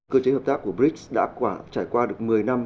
cơ chế hợp tác của brics đã trải qua được một mươi năm